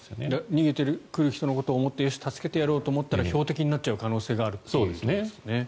逃げてくる人のことを思ってよし、助けてやろうと思ったら標的になっちゃう可能性があるということですよね。